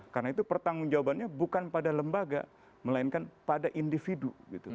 karena itu pertanggungjawabannya bukan pada lembaga melainkan pada individu